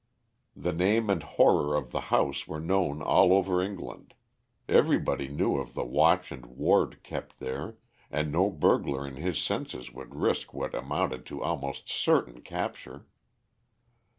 The name and horror of the house were known all over England. Everybody knew of the watch and ward kept there, and no burglar in his senses would risk what amounted to almost certain capture.